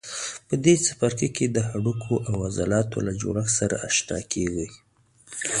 په دې څپرکي کې د هډوکو او عضلاتو له جوړښت سره آشنا کېږئ.